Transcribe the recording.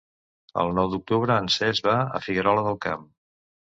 El nou d'octubre en Cesc va a Figuerola del Camp.